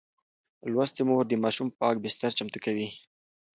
لوستې مور د ماشوم پاک بستر چمتو کوي.